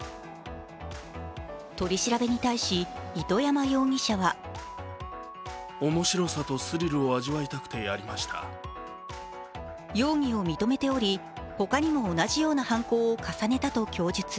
取り調べに対し糸山容疑者は容疑を認めており、他にも同じような犯行を重ねたと供述。